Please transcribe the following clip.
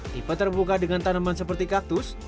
tipe terbuka dengan tanaman seperti kaktus